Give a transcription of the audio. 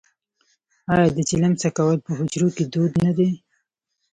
آیا د چلم څکول په حجرو کې دود نه دی؟